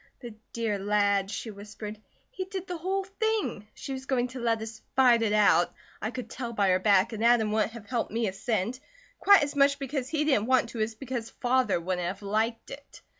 "The dear lad," she whispered. "He did the whole thing. She was going to let us 'fight it out'; I could tell by her back, and Adam wouldn't have helped me a cent, quite as much because he didn't want to as because Father wouldn't have liked it.